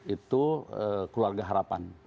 itu keluarga harapan